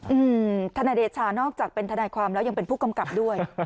อืมทนายเดชานอกจากเป็นทนายความแล้วยังเป็นผู้กำกับด้วย